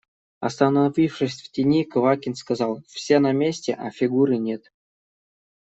Остановившись в тени, Квакин сказал: – Все на месте, а Фигуры нет.